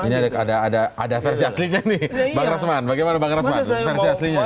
ini ada versi aslinya nih bang rasman bagaimana bang rasman versi aslinya